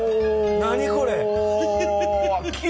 何これ。